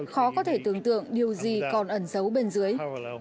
khó có thể tưởng tượng điều gì còn ẩn dấu bên dưới